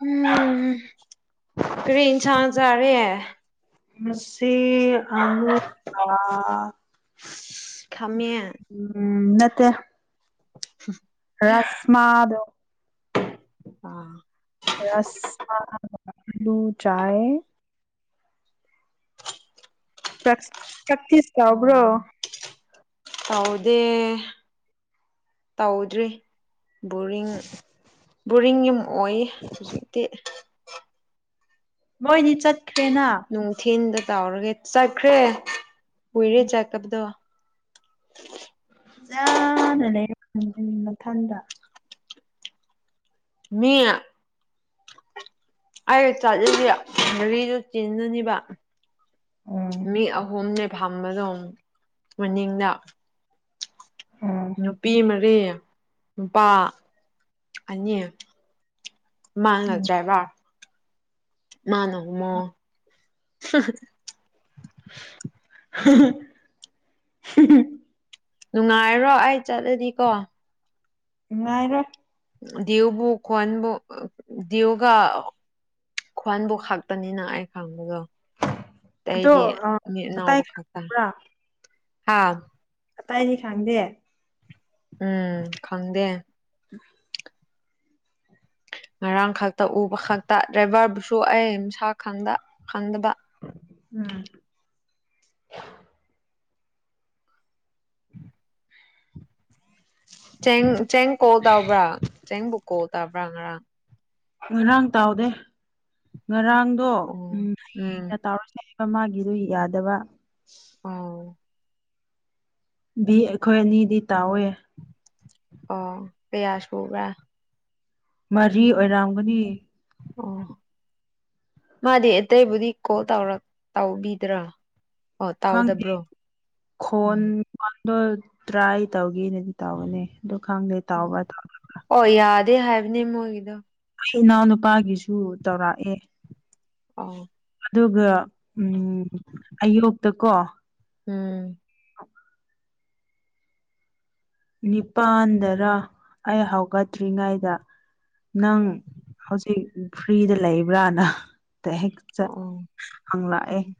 ꯎꯝ ꯀꯔꯤꯟ ꯁꯥꯡꯖꯔꯦ ꯁꯤ ꯑꯅ ꯈꯥꯃꯦꯟ ꯎꯝ ꯅꯠꯇ ꯔꯁꯃ ꯑꯗꯨꯣ ꯑꯥ ꯔꯁꯃꯥ ꯑꯂꯨ ꯆꯥꯏ ꯄ꯭ꯔ ꯄ꯭ꯔꯦꯇꯤꯁ ꯇꯕ꯭ꯔꯣ ꯗꯦ ꯇꯧꯗ꯭ꯔꯤ ꯕꯣꯔꯤꯡ ꯕꯣꯔꯤꯡ ꯌꯨꯝ ꯑꯣꯏ ꯍꯨꯖꯤꯛꯇꯤ ꯃꯣꯏ ꯅꯤꯆꯠ ꯅꯨꯡꯊꯤꯟꯗ ꯇꯥꯎꯔꯒꯦ ꯆꯠꯈ꯭ꯔꯦ ꯀꯨꯏꯔꯦ ꯆꯠꯀꯕꯗꯣ ꯌꯥꯅ ꯂꯩ ꯃꯥꯊꯟꯗ ꯃꯤ ꯑꯩ ꯆꯠꯂꯤꯗꯤ ꯃꯔꯤꯗꯨ ꯆꯤꯟꯅꯨꯅꯤꯕ ꯎꯝ ꯃꯤ ꯑꯍꯨꯝꯅꯦ ꯐꯝꯕꯗꯣ ꯃꯅꯤꯡꯗ ꯎꯝ ꯅꯨꯄꯤ ꯃꯔꯤ ꯅꯨꯄꯥ ꯑꯅꯤ ꯃꯥꯡꯉ ꯗꯔꯥꯏꯕꯔ ꯃꯥꯅꯧꯃꯣ [inaudible] ꯅꯨꯡꯉꯥꯏꯔꯣ ꯑꯩ ꯆꯠꯂꯗꯤꯀꯣ ꯅꯨꯉꯥꯏꯔꯦ ꯗꯌꯨꯕꯨ ꯀꯋꯥꯟꯕꯨ ꯗꯌꯨꯒ ꯈ꯭ꯋꯥꯟꯕꯨ ꯈꯛꯇꯅꯤꯅ ꯑꯩꯈꯪꯕꯗꯣ ꯑꯗꯣ ꯗꯩꯗꯤ ꯃꯤ ꯑꯇꯥꯏ ꯅꯥꯎꯕ ꯈꯛꯇ ꯈꯪꯕ꯭ꯔꯥ ꯍꯥꯥ ꯑꯇꯩꯗꯤ ꯈꯪꯗꯦ ꯎꯝ ꯈꯪꯗꯦ ꯎꯝ [inaudible] ꯉꯔꯥꯡ ꯈꯛꯇ ꯎꯕ ꯈꯛꯇ ꯗ꯭ꯔꯥꯏꯚꯔꯕꯨꯁꯨ ꯑꯩꯅ ꯁꯀ ꯈꯟꯗ ꯈꯟꯗꯕ ꯎꯝ [inaudible] ꯆꯦꯡ ꯆꯦꯡ ꯀꯣꯜ ꯇꯕ꯭ꯔꯥ ꯆꯦꯡꯕꯨ ꯀꯣꯜ ꯇꯧꯕ꯭ꯔꯥ ꯉꯔꯥꯡ ꯉꯔꯥꯡ ꯇꯥꯎꯗꯦ ꯉꯔꯥꯡꯗꯣ ꯑꯣ ꯎꯝ ꯍꯌꯦꯡꯅ ꯇꯥꯎꯔꯁꯦ ꯑꯃꯥꯒꯤꯗꯨ ꯌꯥꯗꯕ ꯑꯥꯎ ꯕꯤ ꯑꯩꯈꯣꯏ ꯑꯅꯤꯗꯤ ꯇꯥꯎꯋꯦ ꯑꯣ ꯀꯥꯌꯥꯁꯨꯕ꯭ꯔꯥ ꯃꯔꯤ ꯑꯣꯏꯔꯝꯒꯅꯤ ꯑꯣ ꯃꯥꯗꯤ ꯑꯇꯩꯕꯨꯗꯤ ꯀꯣꯜ ꯇꯧꯕꯤꯗ꯭ꯔꯥ ꯑꯣ ꯈꯪꯗꯦ ꯇꯧꯗꯕ꯭ꯔꯣ ꯈꯣꯟ ꯎꯝ ꯗꯣ ꯇ꯭ꯔꯥꯏ ꯇꯧꯒꯦꯅꯗꯤ ꯇꯥꯎꯕꯅꯦ ꯑꯗꯣ ꯈꯪꯗꯦ ꯇꯥꯎꯕ ꯇꯧꯗꯕꯥ ꯗꯦ ꯍꯥꯏꯕꯅꯦ ꯃꯣꯏꯒꯤꯗꯣ ꯑꯩ ꯏꯅꯥꯎꯅꯨꯄꯥꯒꯤꯁꯨ ꯇꯧꯔꯛꯑꯦ ꯑꯣ ꯑꯗꯨꯒ ꯎꯝ ꯑꯌꯣꯛꯇꯀꯣ ꯎꯝ ꯅꯤꯄꯥꯥꯟꯗꯔ ꯑꯩ ꯍꯧꯒꯠꯇ꯭ꯔꯤꯉꯩꯗ ꯅꯪ ꯍꯧꯖꯤꯛ ꯐ꯭ꯔꯤꯗ ꯂꯩꯕ꯭ꯔꯥꯅ ꯍꯦꯛ ꯆ ꯑꯣ ꯍꯪꯜꯛꯑꯦ ꯎꯝ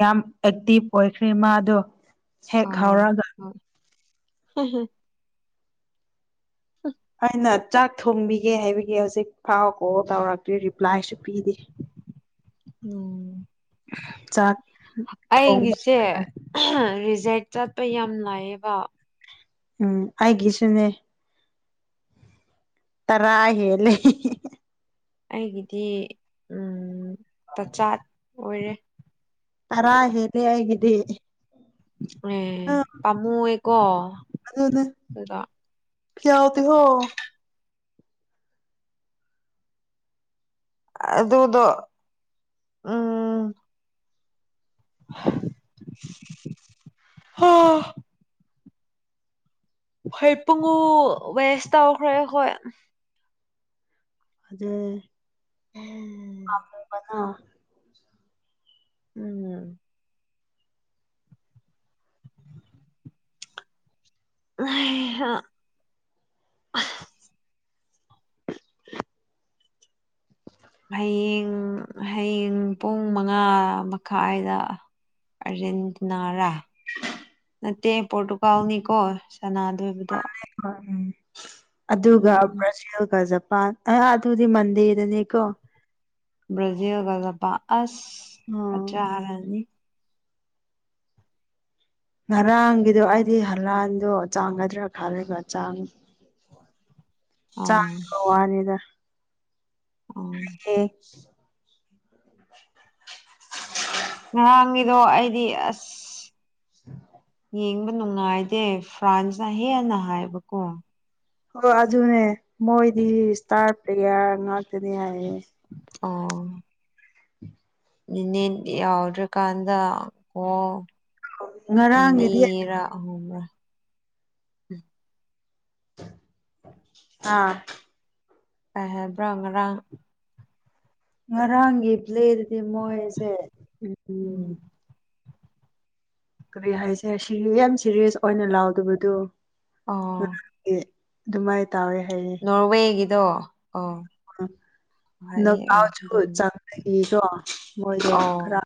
ꯌꯥꯝ ꯑꯦꯛꯇꯤꯚ ꯑꯣꯏꯈ꯭ꯔꯦ ꯃꯥꯗꯣ ꯍꯦꯛ ꯑꯥꯎ ꯍꯧꯔꯒ ꯍ ꯑꯩꯅ ꯆꯥꯛ ꯊꯣꯡꯕꯤꯒꯦ ꯍꯥꯏꯕꯒꯤ ꯍꯧꯖꯤꯛ ꯐꯥꯎ ꯀꯣꯜ ꯇꯧꯔꯛꯇ꯭ꯔꯤ ꯔꯤꯄ꯭ꯂꯥꯏꯁꯨ ꯄꯤꯗꯦ ꯎꯝ ꯆꯥꯛ ꯊꯣꯡꯕ ꯑꯩꯪꯒꯤꯁꯦ ꯔꯤ ꯖꯦꯛ ꯆꯠꯄ ꯌꯥꯝ ꯂꯥꯛꯌꯦꯕ ꯎꯝ ꯑꯩꯒꯤꯁꯨꯅꯦ ꯇꯔꯥ ꯍꯦꯂ ꯑꯩꯒꯤꯗꯤ ꯇꯆꯥꯠ ꯑꯣꯏꯔꯦ ꯇꯔꯥ ꯍꯦꯜꯂꯤ ꯍꯥꯏꯒꯗꯤ ꯑꯦ ꯑ ꯄꯥꯝꯃꯨꯑꯦꯀꯣ ꯑ ꯑꯗꯨꯗꯣ ꯐꯤ ꯌꯥꯎ ꯍꯣ ꯑꯗꯨꯗꯣ ꯎꯝ [inaudible] [inaudible] ꯍ ꯍꯣꯏ ꯄꯨꯡꯉ ꯋꯦꯁ ꯇꯧꯈ꯭ꯔꯦ ꯍꯈꯣꯏ ꯑꯗꯗ ꯎꯝ [inaudible] ꯑ ꯍꯌꯦꯡ ꯍꯌꯦꯡ ꯄꯨꯡ ꯃꯉꯥ ꯃꯈꯥꯏꯗ ꯔꯔꯗꯅꯥꯔꯥ ꯅꯠꯇꯦ ꯄꯣꯔꯇꯨꯒꯥꯜꯅꯤꯀꯣ ꯁꯅꯥꯗ ꯑꯣꯏꯕꯗ ꯍ ꯎꯝ ꯑꯗꯨꯒ ꯎꯝ ꯕ꯭ꯔꯥꯖꯤꯜꯒ ꯖꯄꯥꯟ ꯑ ꯑꯗꯨꯗꯤ ꯃꯟꯗꯦꯗꯅꯤꯀꯣ ꯑꯣ ꯕ꯭ꯔꯖꯤꯜꯒꯗꯁꯆꯔꯅꯤ ꯉꯔꯥꯡꯒꯤꯗꯣ ꯑꯩꯗꯤ ꯍꯂꯥꯟꯗꯣ ꯆꯥꯡꯒꯗ꯭ꯔꯥ ꯈꯜꯂꯒ ꯆꯥꯡ ꯑꯥ ꯆꯥꯡ ꯀ ꯋꯥꯅꯤꯗ ꯑꯥ ꯍ [inaudible] ꯉꯔꯥꯡꯒꯤꯗꯣ ꯑꯩꯗꯤ ꯑꯁ ꯎ ꯌꯦꯡꯕ ꯅꯨꯡꯉꯥꯏꯗꯦ ꯐ꯭ꯔꯥꯟꯁꯅ ꯍꯦꯟꯅ ꯍꯥꯏꯕꯀꯣ ꯍꯣꯏ ꯑꯗꯨꯅꯦ ꯃꯣꯏꯗꯤ ꯏꯁꯇꯥꯔ ꯄ꯭ꯂꯦꯌꯥꯔ ꯉꯥꯛꯇꯅꯦ ꯍꯥꯏꯌꯦ ꯌꯥꯎꯗ꯭ꯔ ꯀꯥꯟꯗ ꯑꯣꯣ ꯉꯔꯥꯡꯒꯤꯗꯤ ꯅꯤꯔꯥ ꯍ꯭ꯔ ꯑꯥ ꯑꯕ꯭ꯔꯉ ꯔꯥꯡ ꯉꯔꯥꯡꯒꯤ ꯄ꯭ꯂꯦꯠꯗꯤ ꯃꯣꯏꯁꯦ ꯎꯝ ꯀꯔꯤ ꯍꯥꯏꯁꯦ ꯌꯥꯝ ꯁꯤꯦꯔꯤꯌꯁ ꯑꯣꯏꯅ ꯂꯥꯎꯗꯕꯗꯣ ꯑꯣ ꯑꯗꯨꯃꯥꯏꯅ ꯇꯥꯎꯋꯦ ꯍꯥꯏꯅꯤ ꯑꯗꯣ ꯑ ꯅꯀꯥꯎꯁꯨ ꯆꯪꯒꯤꯔꯣ ꯃꯣꯏꯗꯣ ꯈꯔ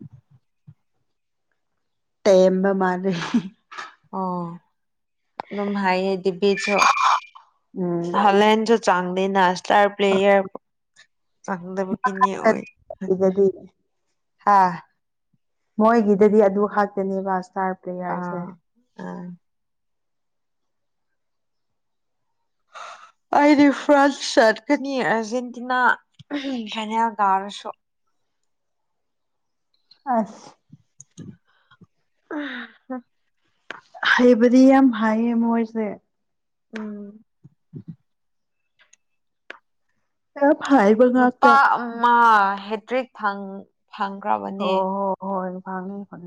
ꯎ ꯇꯝꯕ ꯃꯥꯔꯦ ꯑꯣ ꯑꯗꯨ ꯑꯗꯨꯝ ꯍꯥꯏ ꯍ ꯗꯕꯤ ꯎꯝ ꯍꯂꯦꯟ ꯆꯥꯡꯂꯤ ꯅꯅꯥꯁꯇꯇꯥ ꯄ꯭ꯂꯌꯔ ꯆꯪꯗꯕꯤ ꯀꯅꯤ ꯑꯣꯏ ꯁꯤꯗꯗꯤ ꯍꯥ ꯃꯣꯏꯒꯤꯗꯗꯤ ꯑꯗꯨ ꯉꯥꯛꯇꯅꯦꯕ ꯏꯁꯇꯥꯔ ꯄ꯭ꯂꯦꯌꯥꯔꯁꯦ ꯑꯥ ꯑꯥ ꯍ ꯑꯩꯗꯤ ꯐ꯭ꯔꯥꯟꯁ ꯆꯠꯀꯅꯤ ꯑꯥꯔꯖꯦꯟꯇꯤꯅꯥ ꯐꯅ ꯀꯥꯔꯁꯨ ꯑ ꯑ ꯍꯩꯕꯗꯤ ꯌꯥꯝ ꯍꯥꯏꯌꯦ ꯃꯣꯏꯁꯦ ꯎꯝ ꯑ ꯅꯨꯄꯥ ꯑꯃ ꯍꯦꯇ꯭ꯔꯤꯛ ꯐꯪꯈ꯭ꯔꯕꯅꯦ ꯐꯂꯦ ꯐ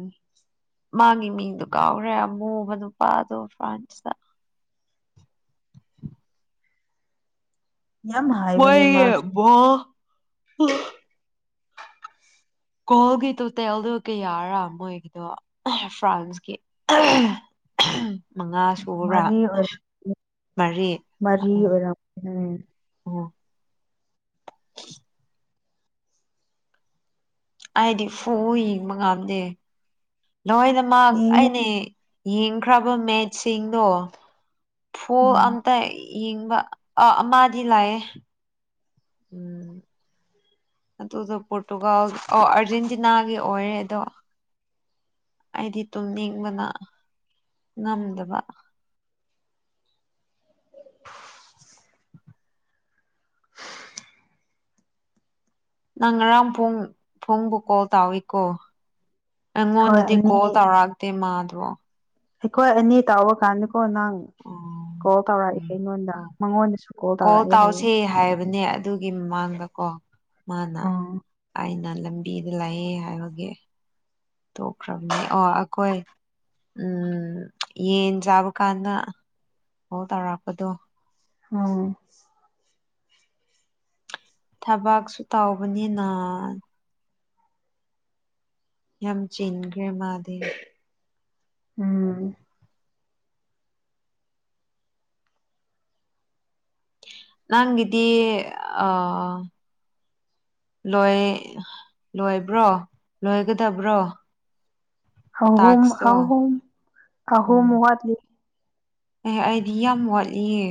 ꯃꯥꯒꯤ ꯃꯤꯡꯗꯨꯣ ꯀꯥꯎꯔꯦ ꯑꯃꯨꯕ ꯅꯨꯄꯥꯗꯣ ꯐ꯭ꯔꯥꯟꯁꯇ [inaudible] ꯌꯥꯝ ꯍꯥꯏꯕꯅꯦ ꯃꯥꯁꯨ ꯋꯥꯕꯣ ꯀꯣꯣꯟ ꯒꯤ ꯇꯣꯇꯦꯜꯗꯨ ꯀꯌꯥꯔꯥ ꯃꯣꯏꯒꯤꯗꯣ ꯐ꯭ꯔꯥꯟꯁꯀꯤ ꯃꯉꯥ ꯁꯨꯔꯕ꯭ꯔꯥ ꯃꯔꯤ ꯑꯣꯏꯔ ꯃꯔꯤ ꯃꯔꯤ ꯎꯝ ꯑꯣꯏꯔꯝ ꯎꯝ ꯎꯝ [inaudible] ꯑꯩꯗꯤ ꯐꯨ ꯌꯦꯡꯕ ꯉꯥꯝꯗꯦ ꯂꯣꯏꯅꯃꯛ ꯌꯦꯡꯉꯤ ꯑꯅꯦ ꯌꯦꯡꯈ꯭ꯔꯕ ꯃꯦꯆꯁꯤꯡꯗꯣ ꯐꯣꯜ ꯎꯝ ꯑꯝꯇ ꯌꯦꯡꯕ ꯑ ꯑꯃꯗꯤꯗꯤ ꯂꯥꯛꯑꯦ ꯎꯝ ꯑꯗꯨꯗꯣ ꯄꯣꯔꯇꯨꯒꯥꯜ ꯑꯣ ꯑꯥꯔꯖꯦꯟꯇꯤꯅꯥꯒꯤ ꯑꯣꯏꯔꯦ ꯑꯗꯣ ꯑꯩꯗꯤ ꯇꯨꯝꯅꯤꯡꯕꯅ ꯉꯝꯗꯕ ꯅꯪ ꯉꯔꯥꯡ ꯐꯨꯡꯕꯨ ꯀꯣꯜ ꯇꯥꯎꯏꯤꯀꯣ ꯍꯣꯏ ꯑꯩꯉꯣꯟꯗꯗꯤ ꯑꯅꯤ ꯀꯣꯜ ꯇꯧꯔꯛꯛꯇꯦ ꯃꯥꯗ꯭ꯔꯣ ꯑꯩꯈꯣꯏ ꯑꯅꯤ ꯇꯥꯎꯕ ꯀꯥꯟꯗꯀꯣ ꯅꯪ ꯎꯝ ꯀꯣꯜ ꯇꯧꯔꯛꯏꯦ ꯎꯝ ꯑꯩꯉꯣꯟꯗ ꯑꯣ ꯃꯉꯣꯟꯗꯁꯨ ꯀꯣꯜ ꯇꯧꯔꯛꯑꯦ ꯍꯥꯏꯌꯦ ꯇꯥꯎꯁ ꯍꯥꯏꯕꯅꯦ ꯑꯗꯨꯒꯤ ꯃꯃꯥꯡꯗꯀꯣ ꯃꯥꯅ ꯑꯣ ꯑꯩꯅ ꯂꯝꯕꯤꯗ ꯂꯥꯛꯑꯦ ꯍꯥꯏꯕꯒꯤꯦ ꯇꯣꯛꯈ꯭ꯔꯕꯅꯦ ꯑꯣ ꯑꯩꯈꯣꯏ ꯎꯝ ꯌꯦꯟ ꯆꯥꯕ ꯀꯥꯟꯗ ꯍ ꯇꯧꯔꯛꯄꯗꯣ ꯑ ꯊꯕꯛꯁꯨ ꯇꯧꯕꯅꯤꯅ ꯌꯥꯝ ꯆꯤꯟꯈ꯭ꯔꯦ ꯃꯥꯗꯤꯦ ꯎꯝ ꯅꯪꯗꯤ ꯑ ꯂꯣꯏ ꯂꯣꯏꯕ꯭ꯔꯣ ꯂꯣꯏꯒꯗꯕ꯭ꯔꯣ ꯑꯍꯣ ꯇꯥꯛꯁꯇꯣ ꯑꯍꯣ ꯑꯍꯣ ꯎꯝ ꯃ ꯋꯥꯗꯂꯤ ꯑꯦ ꯑꯩꯗꯤ ꯌꯥꯝ ꯋꯥꯠꯂꯤꯌꯦ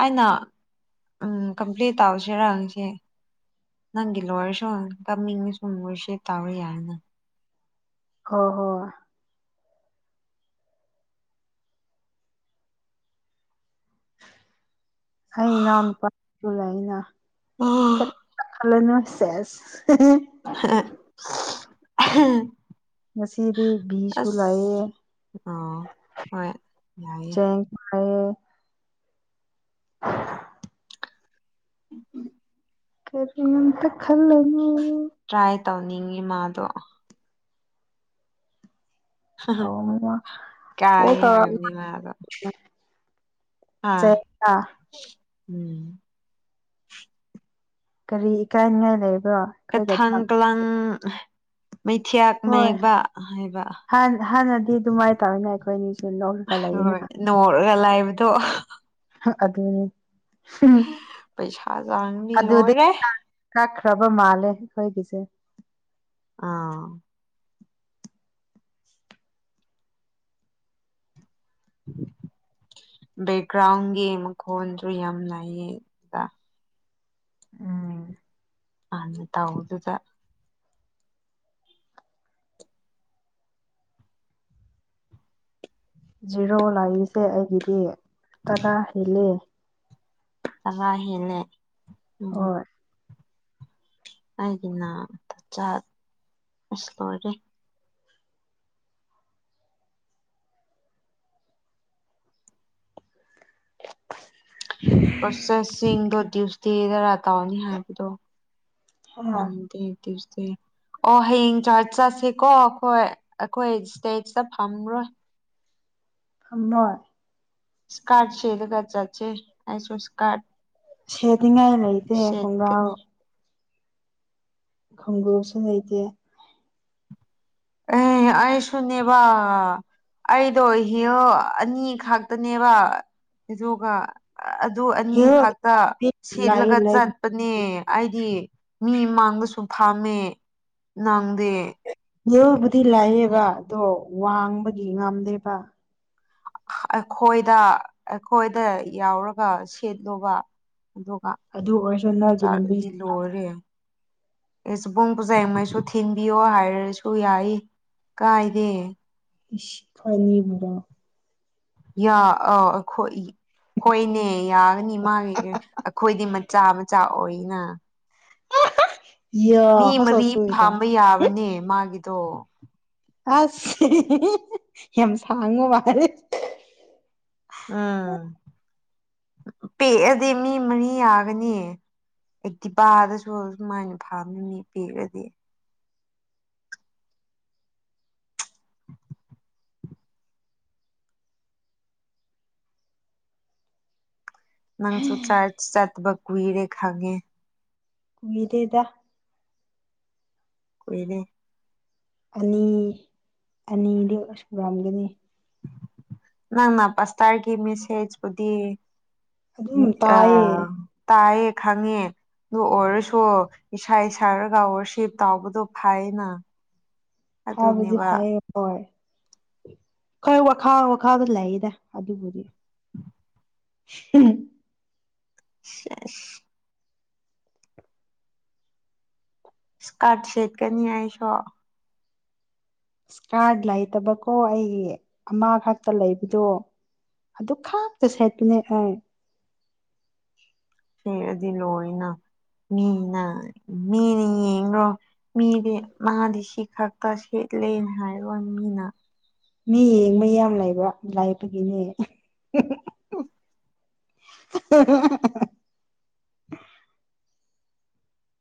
ꯑꯩꯅ ꯎ ꯀꯝꯄ꯭꯭ꯂꯦꯟ ꯇꯧꯁꯤꯔꯪꯁꯦ ꯅꯪꯒꯤꯂ ꯋꯥꯔꯁꯣ ꯀꯝꯁꯨꯣ ꯃꯁꯦ ꯇꯥꯕ ꯌꯥꯔꯦꯅ ꯍ ꯍꯣꯏ ꯑꯩꯅ ꯄꯅ ꯑꯣ ꯀ ꯐꯜꯅꯁꯦꯁ ꯍ ꯉꯁꯤꯗꯤ ꯕꯤꯁꯨ ꯂꯥꯛꯑꯦ ꯑꯣ ꯍꯣꯏ ꯌꯥꯏꯌꯦ ꯑꯩ ꯑ ꯎꯝ ꯎꯝ ꯀꯔꯤꯇ ꯈꯜꯂꯅ ꯇ꯭ꯔꯥꯏ ꯇꯧꯅꯤꯡꯉꯤ ꯃꯥꯗꯣ ꯇꯧꯅꯨ ꯀ ꯀꯣꯜ ꯍꯥꯏꯅꯤ ꯃꯥ ꯑꯗ ꯑꯥ ꯇꯧꯔꯛ ꯎꯝ ꯀꯔꯤ ꯀꯥꯏꯅ ꯂꯩꯦ ꯀꯊꯪ ꯀꯂꯥꯡ ꯃꯩꯊꯤꯥꯛ ꯍꯣꯏ ꯃꯌꯦꯛꯕ ꯍꯥꯏꯕ ꯍꯥꯟ ꯍꯥꯟꯅꯗꯤ ꯑꯗꯨꯃꯥꯏꯅ ꯇꯧꯋꯤꯅ ꯑꯩꯈꯣꯏꯅꯤꯁꯨ ꯅꯣꯛꯂꯒ ꯂꯩꯌꯦꯅ ꯍꯣꯏ ꯅꯣꯡꯔꯒ ꯂꯥꯏꯕꯗꯣ ꯑꯗꯨ ꯄꯩꯁꯥ ꯆꯥꯡꯗꯤ ꯂꯣꯏꯔꯦ ꯐ꯭ꯔꯕ ꯑꯩ ꯃꯥꯂꯦ ꯍꯗꯤꯁꯦ ꯑꯥ ꯎꯝ ꯕꯦꯛꯒ꯭ꯔꯥꯎꯟꯒꯤ ꯃꯈꯣꯜꯁꯨ ꯌꯥꯝ ꯂꯥꯏꯌꯦꯗ ꯎꯝ ꯑꯅ ꯇꯧꯗꯨꯗ ꯖꯤꯦꯔꯣ ꯂꯥꯛꯏꯁꯦ ꯑꯩꯒꯤꯗꯤ ꯇꯔꯥ ꯍꯦꯜꯂꯤ ꯇꯋꯥ ꯍꯅꯦ ꯎꯝ ꯍꯣꯏ ꯑꯩꯒꯤꯅ ꯆ ꯆ ꯑꯁ ꯇ ꯑꯣꯏꯔꯦ ꯄ꯭ꯔꯣꯁꯦꯁꯁꯤꯡꯗꯣ ꯗ꯭ꯌꯨꯁꯗꯦꯗꯔꯥ ꯇꯧꯅꯤ ꯍꯥꯏꯕꯗꯣ ꯍꯥ ꯃꯗꯤ ꯀꯁꯦ ꯑꯣ ꯍꯌꯦꯡ ꯆꯥꯔꯆ ꯆꯠꯁꯤꯀꯣ ꯑꯩꯈꯣꯏ ꯑꯩꯈꯣꯏ ꯏꯁꯇꯦꯠꯇ ꯐꯝꯔꯣꯏ ꯐꯝꯃꯣꯏ ꯁꯀꯥꯠꯁꯗꯨꯒ ꯆꯦ ꯑꯁꯨ ꯁꯀꯥ ꯁꯦꯗꯤꯉꯥꯏ ꯂꯩꯇꯦ ꯀꯣꯡꯒꯥ꯭ꯔꯥꯎ ꯁꯦꯠꯀꯅꯤ ꯈꯣꯡꯒꯁꯨ ꯂꯩꯇꯦ ꯑ ꯑꯩꯁꯨꯅꯤꯕ ꯑꯩꯗꯣ ꯍꯤ ꯑꯅꯤ ꯈꯛꯇꯅꯦꯕ ꯑꯗꯨꯒ ꯑꯗꯨ ꯑꯅꯤ ꯍꯦꯔꯣ ꯈꯥꯛꯇ ꯂꯥꯛꯏ ꯁꯦꯠꯂꯒ ꯂꯩ ꯆꯠꯄꯅꯦ ꯑꯩꯗꯤ ꯃꯤ ꯃꯥꯡꯕꯁꯨ ꯐꯝꯃꯦ ꯅꯪꯗꯦ ꯃꯤꯑꯣꯣꯕꯨꯗꯤ ꯂꯥꯛꯑꯦꯕ ꯑꯗꯣ ꯋꯥꯡꯕꯗꯤ ꯉꯝꯗꯦꯕ ꯑꯩꯈꯣꯏꯗ ꯑꯩꯈꯣꯏꯗ ꯌꯥꯎꯔꯒ ꯁꯦꯠꯂꯨꯕ ꯑꯗꯨꯒ ꯑꯗꯨ ꯑꯣꯏꯔꯁꯨ ꯅꯣꯏꯒꯤ ꯆꯥꯠꯗꯤ ꯂꯝꯕꯤꯁꯦ ꯂꯣꯏꯔꯦ ꯑꯦꯕꯨꯡ ꯄꯨꯖꯩꯉꯩꯁꯨ ꯊꯤꯟꯕꯤꯌꯣ ꯍꯥꯏꯔꯁꯨ ꯌꯥꯏ ꯀꯥꯏꯥꯏꯗꯦ ꯏ ꯐꯅꯤ ꯄꯨ꯭ꯔ ꯌꯥ ꯑꯈꯣꯏ ꯍꯣꯏꯅꯦ ꯌꯥꯒꯅꯤ ꯃꯥꯒꯤ ꯑꯩꯈꯣꯏꯗꯤ ꯃꯆꯥ ꯃꯆꯥ ꯑꯣꯏꯅ ꯌꯥ ꯃꯤ ꯃꯔꯤ ꯍꯧꯖꯤꯛꯁꯨꯏꯗ ꯐꯥꯝꯕ ꯌꯥꯕꯅꯦ ꯃꯥꯒꯤꯗꯣ ꯑꯁ ꯌꯥꯝ ꯁꯥꯡꯉꯣ ꯃꯥꯔꯦ ꯎꯝ ꯄꯦꯛꯑꯗꯤ ꯃꯤ ꯃꯔꯤ ꯌꯥꯒꯅꯤ ꯑꯩ ꯗꯤꯄꯥꯗꯁꯨ ꯑꯗꯨꯃꯥꯏꯅ ꯐꯥꯝꯃꯤ ꯃꯤ ꯄꯤꯈ꯭ꯔꯗꯤ ꯅꯪꯁꯨ ꯆꯔꯆ ꯆꯠ ꯀꯋꯔꯦ ꯈꯥꯡꯉꯦ ꯀꯏꯗꯦꯗ ꯀꯣꯏꯅꯦ ꯑꯅꯤ ꯑꯅꯤꯗꯤ ꯁꯝꯒꯅꯤ ꯅꯪꯅ ꯄꯁꯇꯥꯔꯒꯤ ꯃꯦꯁꯦꯖꯕꯨꯨꯗꯤ ꯑꯗꯨꯝ ꯑ ꯇꯥꯏꯌꯦ ꯇꯌꯦ ꯈꯥꯉꯦ ꯑꯗꯨ ꯑꯣꯏꯔꯁꯨ ꯏꯁꯥ ꯏꯁꯥꯔꯒ ꯔꯁꯤꯞ ꯇꯥꯎꯕꯗꯣ ꯐꯥꯏꯅ ꯐꯥ ꯖꯤ ꯐꯥꯏ ꯍꯣꯏ ꯈꯣꯏ ꯋꯥꯈꯥ ꯋꯥꯈꯥꯗ ꯂꯩꯗ ꯑꯗꯨꯕꯨꯗꯤ ꯎꯝ ꯑ ꯏꯁꯀꯥꯔꯠ ꯁꯦꯠꯀꯅꯤ ꯍꯥꯏꯁꯨ ꯏꯁ ꯀꯥꯔꯠ ꯂꯩꯇꯕꯀꯣ ꯑꯩꯒꯤ ꯑꯃꯈꯛꯇ ꯂꯩꯕꯗꯣ ꯑꯗꯨ ꯈꯥꯛꯇ ꯁꯦꯠꯇꯨꯅꯦ ꯑꯦ ꯐꯦꯔꯗꯤ ꯂꯣꯏꯣꯏꯅ ꯃꯤ ꯃꯤꯅꯤꯣ ꯃꯦꯗꯤ ꯃꯥꯗꯤꯁꯤ ꯈꯥꯛ ꯇꯁꯦ ꯄꯂꯅ ꯍꯥꯏꯔꯣꯅꯤ ꯃꯤꯅꯥ ꯃꯤ ꯌꯦꯡꯕ ꯌꯥꯝ ꯂꯩꯕ ꯂꯥꯏꯄꯒꯤꯅꯦ ꯎꯝ [inaudible]